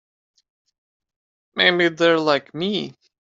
Maybe they're like me.